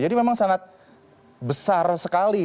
jadi memang sangat besar sekali